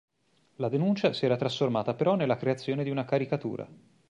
La denuncia si era trasformata però nella creazione di una caricatura.